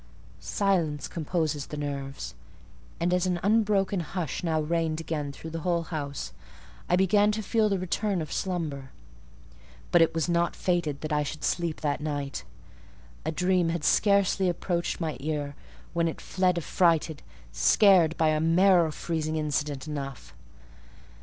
Silence composes the nerves; and as an unbroken hush now reigned again through the whole house, I began to feel the return of slumber. But it was not fated that I should sleep that night. A dream had scarcely approached my ear, when it fled affrighted, scared by a marrow freezing incident enough.